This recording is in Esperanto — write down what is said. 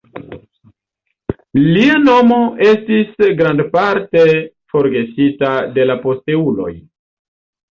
Lia nomo estis grandparte forgesita de la posteuloj.